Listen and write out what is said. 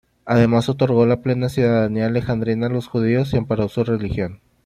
Además otorgó la plena ciudadanía alejandrina a los judíos y amparó su religión.